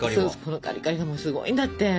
このカリカリがもうすごいんだって！